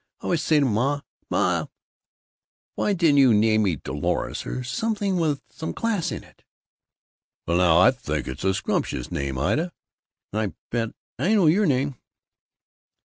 I always say to Ma, I say, 'Ma, why didn't you name me Dolores, or something with some class to it?'" "Well, now, I think it's a scrumptious name. Ida!" "I bet I know your name!"